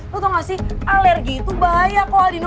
lo tau gak sih alergi itu bahaya kok albino